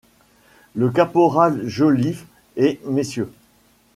Le caporal Joliffe et Mrs.